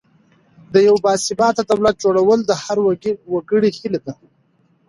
د یو باثباته دولت جوړول د هر وګړي هیله ده.